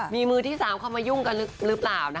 มีมือที่๓เข้ามายุ่งกันหรือเปล่า